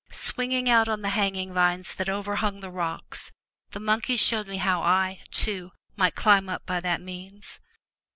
Swinging out on the hanging vines that overhung the rocks, the monkeys showed me how I, too, might climb up by that means.